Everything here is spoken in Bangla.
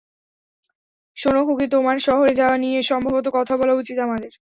শোনো খুকী, তোমার শহরে যাওয়া নিয়ে সম্ভবত কথা বলা উচিত আমাদের।